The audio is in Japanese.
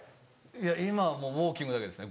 いや今はもうウオーキングだけですね